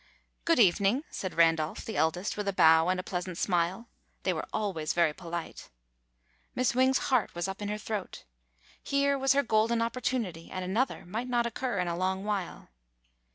''Good evening," said Randolph, the eldest, with a bow and a pleasant smile. They were always very polite. Miss Wing's heart was up in her throat. Here was her golden opportunity, and another might not occur in a long while.